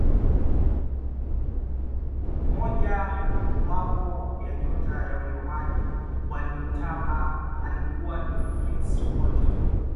moja wapo ya nyota wa ujerumani waliyotamba alikuwa fritz walter